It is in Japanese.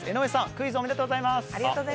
クイズ、おめでとうございます。